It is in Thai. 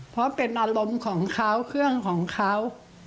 เพราะเป็นอารมณ์ของเขาเครื่องของเขา